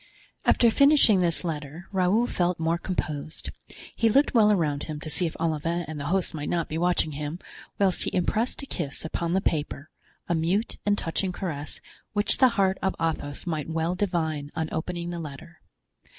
After finishing this letter Raoul felt more composed; he looked well around him to see if Olivain and the host might not be watching him, whilst he impressed a kiss upon the paper, a mute and touching caress, which the heart of Athos might well divine on opening the letter.